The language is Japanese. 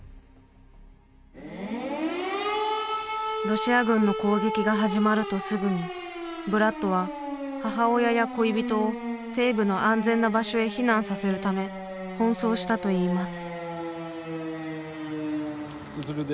ロシア軍の攻撃が始まるとすぐにブラッドは母親や恋人を西部の安全な場所へ避難させるため奔走したといいます。